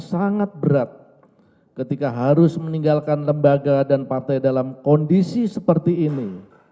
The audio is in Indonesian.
sangat berat ketika harus meninggalkan lembaga dan partai dalam kondisi seperti ini